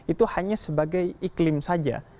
itu hanya sebagai iklim saja